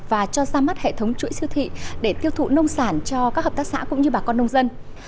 và cho ra mắt hệ thống chuỗi siêu thị để tiêu thụ nông sản cho các hợp tác xã cũng như bà con nông dân